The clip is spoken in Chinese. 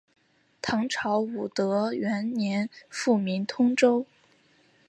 唐朝武德元年复名通州。